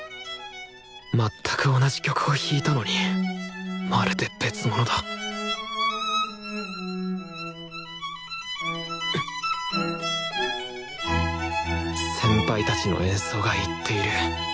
全く同じ曲を弾いたのにまるで別物だ先輩たちの演奏が言っている。